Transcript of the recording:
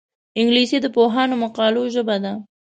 انګلیسي د پوهانو مقالو ژبه ده